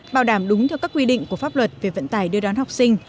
bảo đảm đúng theo các quy định của pháp luật về vận tải đưa đón học sinh